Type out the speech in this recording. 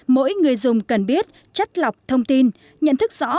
mỗi người dùng cần biết chất lọc thông tin nhận thức rõ